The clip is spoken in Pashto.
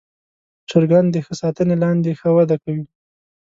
چرګان د ښه ساتنې لاندې ښه وده کوي.